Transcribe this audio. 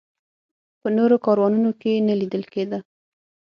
په نورو کاروانونو کې نه لیدل کېده.